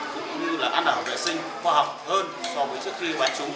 cũng như là ăn đảo vệ sinh khoa học hơn so với trước khi bán chú